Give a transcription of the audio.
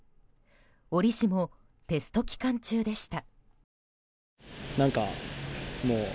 折しも、テスト期間中でした。